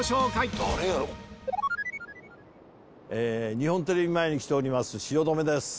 日本テレビ前に来ております汐留です。